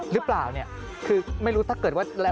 หรือเปล่าเนี่ยคือไม่รู้ถ้าเกิดว่า